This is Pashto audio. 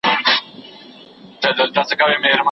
هیڅوک باید د خپل فزیکي حالت له امله ونه ځورول سي.